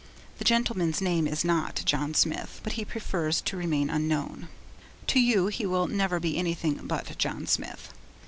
The gentleman's name is not John Smith, but he prefers to remain unknown. To you he will never be anything but John Smith.